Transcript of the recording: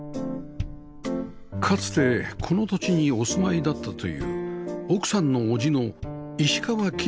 かつてこの土地にお住まいだったという奥さんの叔父の石川金次さん